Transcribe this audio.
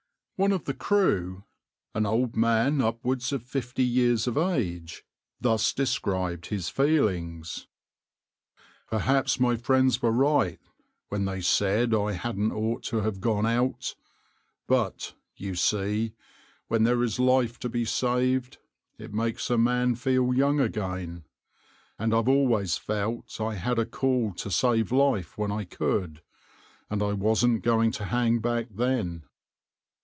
\par One of the crew, an old man upwards of fifty years of age, thus described his feelings.\par "Perhaps my friends were right when they said I hadn't ought to have gone out, but, you see, when there is life to be saved, it makes a man feel young again; and I've always felt I had a call to save life when I could, and I wasn't going to hang back then.